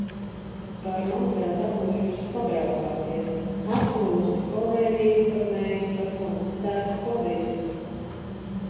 Par maz vēl dabūjušas pabraukāties. Apslimusi kolēģe informēja par konstatētu kovidu.